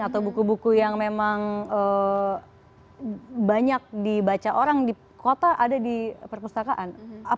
atau buku buku yang memang banyak dibaca orang di kota ada di perpustakaan